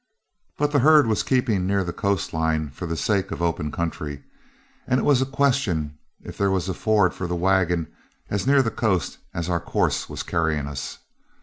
But the herd was keeping near the coast line for the sake of open country, and it was a question if there was a ford for the wagon as near the coast as our course was carrying us.